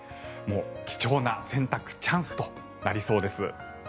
貴重な洗濯チャンスとなりそうです。